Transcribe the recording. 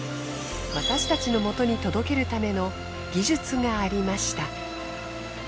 私たちのもとに届けるための技術がありました。